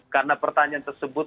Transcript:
karena pertanyaan tersebut